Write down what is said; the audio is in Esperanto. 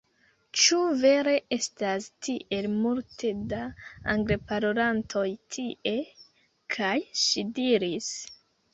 Ĉu vere estas tiel multe da Angleparolantoj tie? kaj ŝi diris: